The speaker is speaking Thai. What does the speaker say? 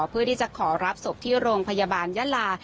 เพื่อที่จะขอรับศพที่โรงพยาบาลยะลา